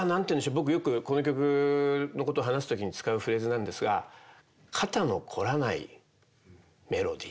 僕よくこの曲のこと話す時に使うフレーズなんですが肩の凝らないメロディー。